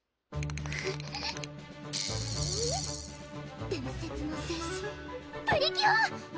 うぅ伝説の戦士プリキュア！